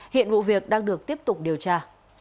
hiện vụ việc đang được tiếp tục điều tra